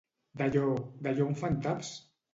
—D'allò... —D'allò en fan taps!